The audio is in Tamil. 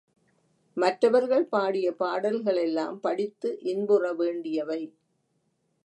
மற்றவர்கள் பாடிய பாடல்களெல்லாம் படித்து இன்புற வேண்டியவை.